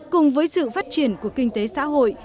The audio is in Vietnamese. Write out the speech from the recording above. cùng với sự phát triển của kinh tế xã hội